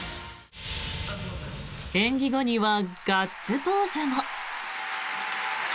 演技後にはガッツポーズも。